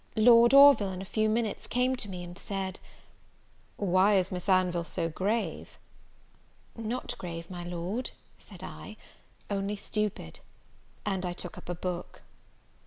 Lord Orville, in a few minutes, came to me, and said, "Why is Miss Anville so grave?" "Not grave, my Lord," said I, "only stupid;" and I took up a book.